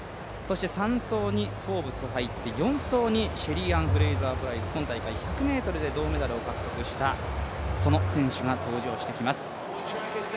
３走にフォーブス入って、４走にシェリーアン・フレイザープライス、今大会１００ｍで銅メダルを獲得したその選手が入ってきます。